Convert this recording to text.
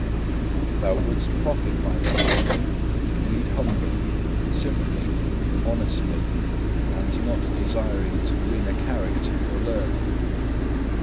If thou wouldst profit by thy reading, read humbly, simply, honestly, and not desiring to win a character for learning.